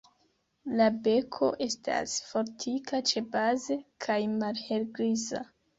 La beko estas fortika ĉebaze kaj malhelgriza.